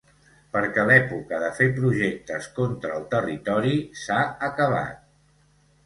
Perquè l’època de fer projectes contra el territori s’ha acabat.